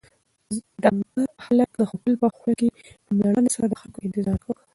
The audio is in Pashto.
ډنکر هلک د هوټل په خوله کې په مېړانې سره د خلکو انتظار کاوه.